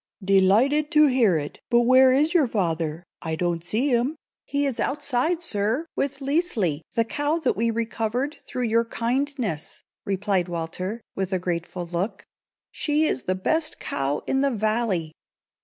"Delighted to hear it. But where is your father? I don't see him." "He is outside. Sir, with Liesli, the cow that we recovered through your kindness," replied Walter, with a grateful look. "She is the best cow in the valley."